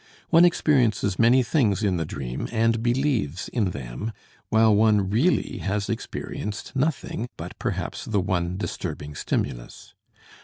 One experiences many things in the dream, and believes in them, while one really has experienced nothing but perhaps the one disturbing stimulus.